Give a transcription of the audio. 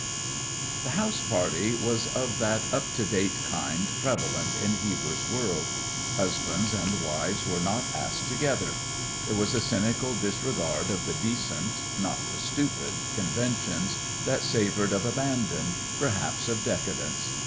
The house party was of that up to date kind prevalent in Heber's world. Husbands and wives were not asked together. There was a cynical disregard of the decent (not the stupid) conventions that savoured of abandon, perhaps of decadence.